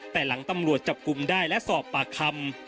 แต่หลังตำรวจจับกลุ่มได้และสอบปากคำ